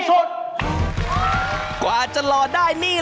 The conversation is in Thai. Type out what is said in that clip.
เกือบได้เบิร์ดแล้วที่